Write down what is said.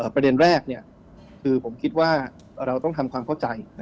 ประเด็นแรกคือผมคิดว่าเราต้องทำความเข้าใจ